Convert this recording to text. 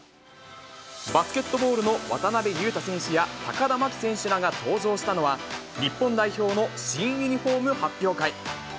バスケットボールの渡邊雄太選手や高田真希選手らが登場したのは、日本代表の新ユニホーム発表会。